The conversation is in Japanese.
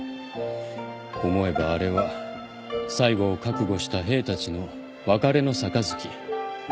思えばあれは最後を覚悟した兵たちの別れの杯。